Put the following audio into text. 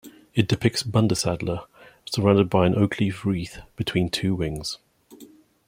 It depicts the "Bundesadler" surrounded by an oak leaf wreath between two wings.